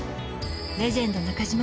レジェンド・中嶋